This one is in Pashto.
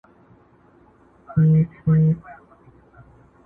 که د خولې مهر په حلوا مات کړي،